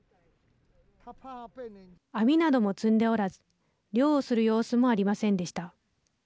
網なども積んでおらず漁をする様子もありませんでした。